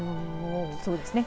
そうですね。